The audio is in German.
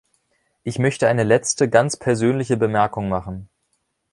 Ich möchte eine letzte ganz persönliche Bemerkung machen.